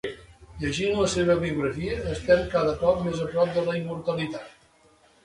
Llegint la seva biografia estem cada cop més a prop de la immortalitat.